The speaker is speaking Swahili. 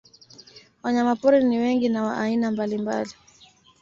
Wanyamapori ni wengi na wa aina mbalimbali